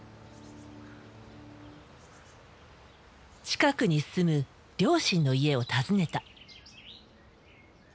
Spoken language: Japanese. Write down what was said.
近くに住む両親の家を訪ねた。